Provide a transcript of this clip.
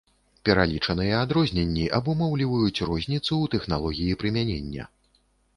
Пералічаныя адрозненні абумоўліваюць розніцу ў тэхналогіі прымянення.